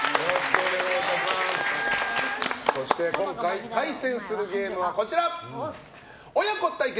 そして、今回対戦するゲームは親子対決！